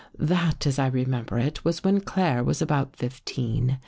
" That, as I remember it, was when Claire was about fifteen.